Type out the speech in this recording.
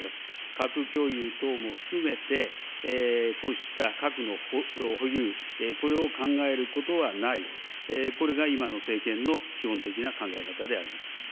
核共有等も含めて、こうした核の保有、これを考えることはない、これが今の政権の基本的な考え方であります。